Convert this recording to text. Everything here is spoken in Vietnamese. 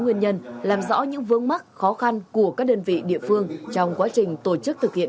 nguyên nhân làm rõ những vương mắc khó khăn của các đơn vị địa phương trong quá trình tổ chức thực hiện